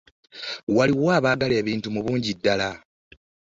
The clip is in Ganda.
Waliwo abagula ebintu mu bungi ddala.